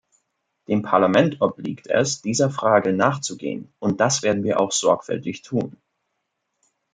Dem Parlament obliegt es, dieser Frage nachzugehen, und das werden wir auch sorgfältig tun.